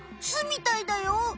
巣みたいだよ。